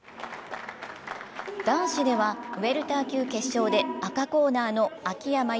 男子ではウエルター級決勝で赤コーナーの秋山佑